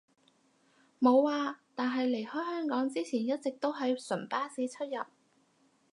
無呀，但係離開香港之前一直都係純巴士出入